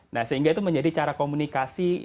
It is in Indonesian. nah sehingga itu menjadi cara komunikasi